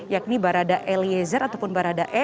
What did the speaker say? yakni barada eliezer ataupun barada e